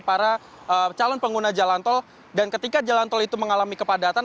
para calon pengguna jalan tol dan ketika jalan tol itu mengalami kepadatan